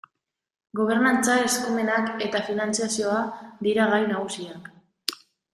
Gobernantza, eskumenak eta finantzazioa dira gai nagusiak.